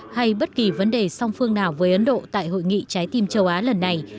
hay bất kỳ vấn đề song phương nào với ấn độ tại hội nghị trái tim châu á lần này